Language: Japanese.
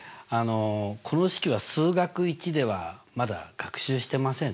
この式は数学Ⅰではまだ学習してませんね。